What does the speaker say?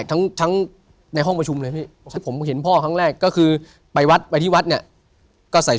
ปกติอยู่ห้องประเรา